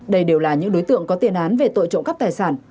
đây đều là những đối tượng có tiền án về tội trộm cắp tài sản